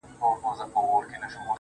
o هله تياره ده په تلوار راته خبري کوه.